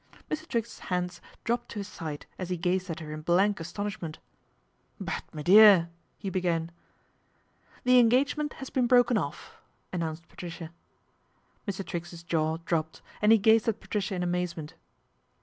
Mr. Triggs's hands dropped to his side as he gazed at her in blank astonishment. " But, me dear " he began. "The engagement has been broken off," an : nounced Patricia. Mr. Triggs's jaw dropped, and he gazed at Patricia in amazement.